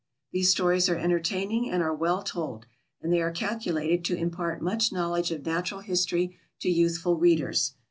These stories are entertaining and are well told, and they are calculated to impart much knowledge of natural history to youthful readers.